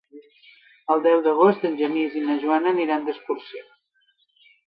El deu d'agost en Genís i na Joana aniran d'excursió.